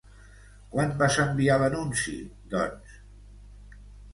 Quan vas enviar l'anunci, doncs?